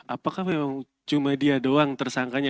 apakah memang cuma dia doang tersangkanya